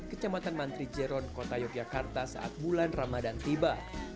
kecamatan mantri jeron kota yogyakarta saat bulan ramadan tiba